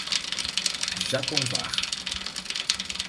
Japonvar